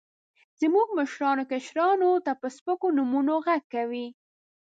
زموږ مشران، کشرانو ته په سپکو نومونو غږ کوي.